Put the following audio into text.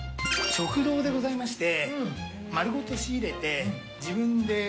食道でございまして。